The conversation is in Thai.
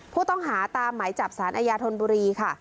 ผู้ต้องหาตามหมายจับสารอาญาธนบุรีค่ะ